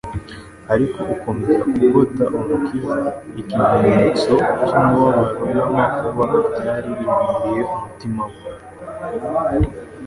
ariko ukomeza kugota Umukiza: ikimenyetso cy'umubabaro n'amakuba byari biremereye umutima we.